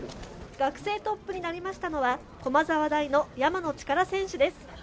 学生トップになりましたのは駒澤大の山野力選手です。